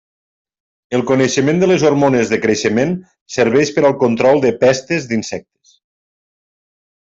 El coneixement de les hormones de creixement serveix per al control de pestes d'insectes.